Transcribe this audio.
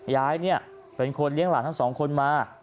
ยายเนี่ยเป็นคนเลี้ยงหลานทั้งสองคนมา